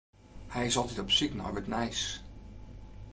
Hy is altyd op syk nei wat nijs.